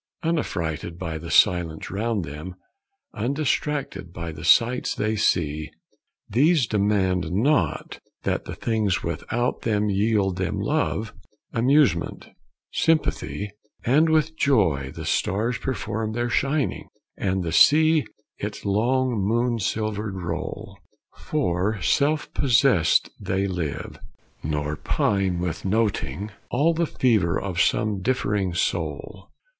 "Unaffrighted by the silence round them, Undistracted by the sights they see, These demand not that the things without them Yield them love, amusement, sympathy. "And with joy the stars perform their shining, And the sea its long, moon silver'd roll; For self poised they live, nor pine with noting All the fever of some differing soul.